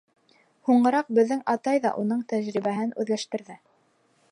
Һуңыраҡ беҙҙең атай ҙа уның тәжрибәһен үҙләштерҙе.